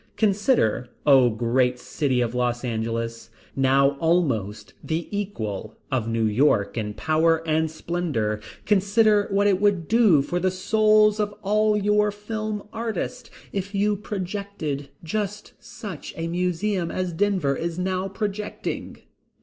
Consider, O Great City of Los Angeles, now almost the equal of New York in power and splendor, consider what it would do for the souls of all your film artists if you projected just such a museum as Denver is now projecting.